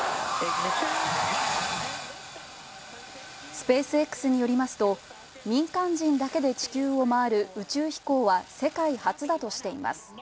スペースＸによりますと、民間人だけで地球を回る宇宙飛行は世界初だとしています。